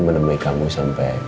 menemui kamu sampai